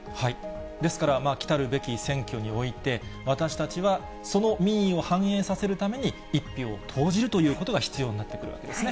ですから、来るべき選挙において、私たちはその民意を反映させるために、１票を投じるということが必要になってくるわけですね。